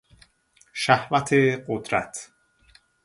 شهوت قدرت